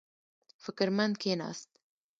فکر مند کېناست.